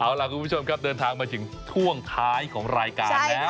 เอาล่ะคุณผู้ชมครับเดินทางมาถึงช่วงท้ายของรายการแล้ว